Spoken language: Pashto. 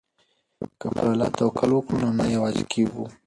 که پر الله توکل وکړو نو نه یوازې کیږو.